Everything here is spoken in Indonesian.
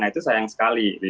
nah itu sayang sekali